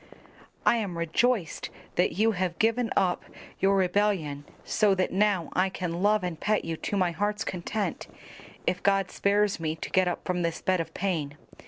"I am rejoiced that you have given up your rebellion so that now I can love and pet you to my heart's content if God spares me to get up from this bed of pain.